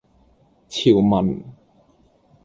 潮文